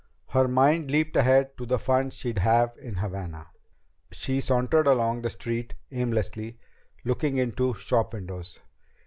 Her mind leaped ahead to the fun she'd have in Havana. She sauntered along the street aimlessly, looking into shopwindows.